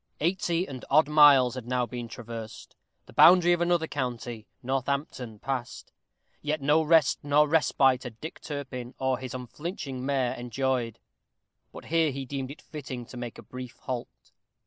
Eighty and odd miles had now been traversed the boundary of another county, Northampton, passed; yet no rest nor respite had Dick Turpin or his unflinching mare enjoyed. But here he deemed it fitting to make a brief halt.